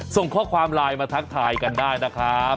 ส่งข้อความไลน์มาทักทายกันได้นะครับ